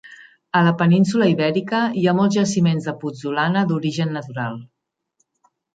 A la península Ibèrica hi ha molts jaciments de putzolana d'origen natural.